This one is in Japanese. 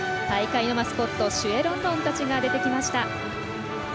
大会のマスコットシュエ・ロンロンたちが出てきました。